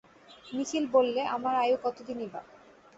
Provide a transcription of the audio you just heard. নিখিল বললে, আমার আয়ু কতদিনই বা?